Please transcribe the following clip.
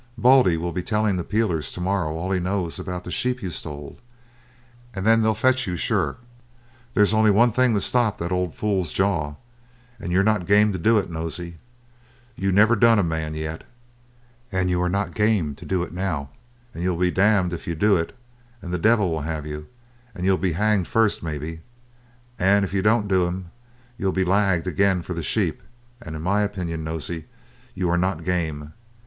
Baldy will be telling the peelers to morrow all he knows about the sheep you stole, and then they'll fetch you, sure. There's only one thing to stop the old fool's jaw, and you are not game to do it, Nosey; you never done a man yet, and you are not game to do it now, and you'll be damned if you do it, and the devil will have you, and you'll be hanged first maybe. And if you don't do him you'll be lagged again for the sheep, and in my opinion, Nosey, you are not game.